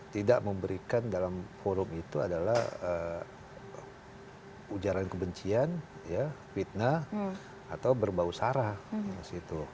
tidak memberikan dalam forum itu adalah ujaran kebencian fitnah atau berbau sarah